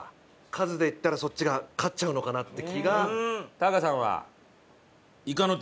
数でいったらそっちが勝っちゃうのかなって気が。